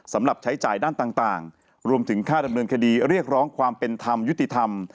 สำหรับใช้จ่ายด้านต่างรวมถึงค่าดำเนินคดีเรียกร้องความเป็นธรรมยุติธรรม